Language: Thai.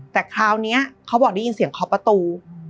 แต่คราวนี้เขาบอกได้ยินเสียงเคาะประตู